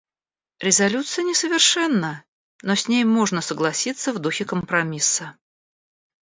Резолюция несовершенна, но с ней можно согласиться в духе компромисса.